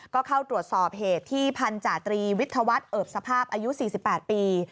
ก็เข้าตรวจสอบเหตุที่พันธาตรีวิทยาวัฒน์เอิบสภาพอายุ๔๘ปี